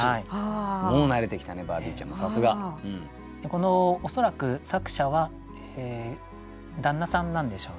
この恐らく作者は旦那さんなんでしょうね